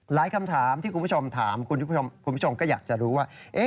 คำถามที่คุณผู้ชมถามคุณผู้ชมก็อยากจะรู้ว่า